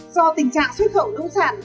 do tình trạng xuất khẩu nông sản